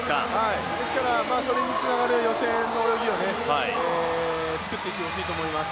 ですから、それにつながる予選の泳ぎを作っていってほしいと思います。